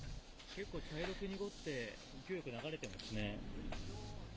結構、茶色く濁って、勢いよく流れてますね。